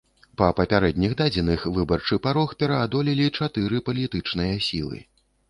Па папярэдніх дадзеных, выбарчы парог пераадолелі чатыры палітычныя сілы.